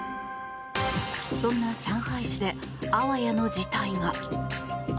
そんな上海市であわやの事態が。